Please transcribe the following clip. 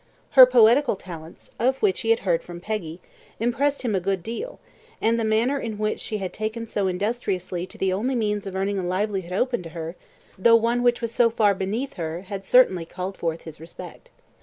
Her poetical talents, of which he had heard from Peggy, impressed him a good deal, and the manner in which she had taken so industriously to the only means of earning a livelihood open to her, though one which was so far beneath her, had certainly called forth his respect.